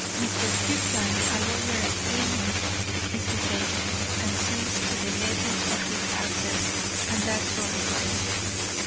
Mr. Kirkland, a lawyer at Plymouth, is his agent, and sees to the letting of his houses and that sort of thing.